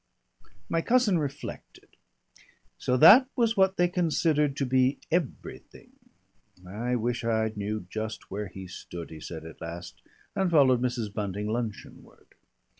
My cousin reflected. So that was what they considered to be everything! "I wish I knew just where he stood," he said at last, and followed Mrs. Bunting luncheonward.